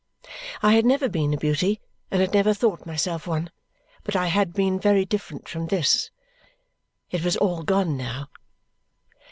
I had never been a beauty and had never thought myself one, but I had been very different from this. It was all gone now.